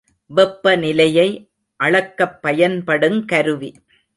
வெப்பநிலையை அளக்கப் பயன்படுங் கருவி.